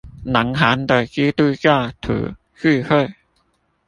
南韓的基督教徒聚會